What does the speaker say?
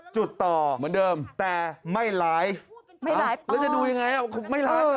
จุดต่อเหมือนเดิมแต่ไม่ไลฟ์ไม่ไลฟ์ให้มาดูยังไงเขาไม่